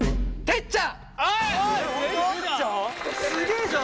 てっちゃんまじ？